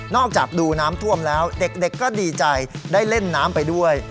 จากดูน้ำท่วมแล้วเด็กก็ดีใจได้เล่นน้ำไปด้วย